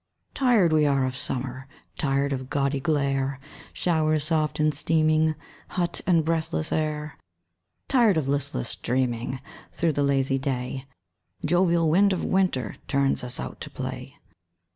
Tired we are of summer, Tired of gaudy glare, Showers soft and steaming, Hot and breathless air. Tired of listless dreaming, Through the lazy day: Jovial wind of winter Turns us out to play!